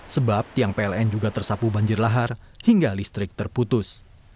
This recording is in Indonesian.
sebab tiang pln juga tersapu banjir lahar hingga listrik terputus